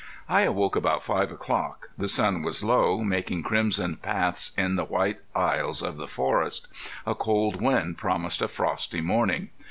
I awoke about five o'clock. The sun was low, making crimson paths in the white aisles of the forest. A cold wind promised a frosty morning.